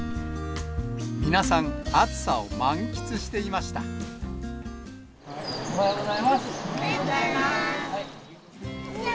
皆さん、暑さを満喫していまおはようございます。